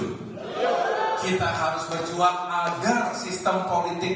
kita harus berjuang agar sistem politik